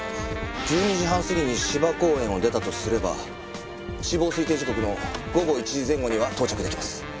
１２時半過ぎに芝公園を出たとすれば死亡推定時刻の午後１時前後には到着できます。